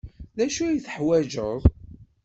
D acu ay teḥwajeḍ?